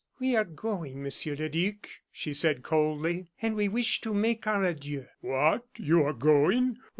"We are going, Monsieur le Duc," she said, coldly, "and we wish to make our adieux." "What! you are going?